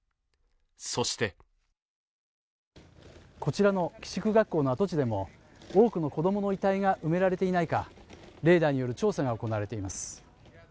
そしてこちらの寄宿学校の跡地でも多くの子どもの遺体が埋められていないかレーダーによる調査が行われています